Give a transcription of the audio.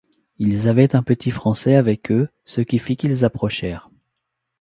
Ils avaient un petit français avec eux, ce qui fit qu’ils approchèrent.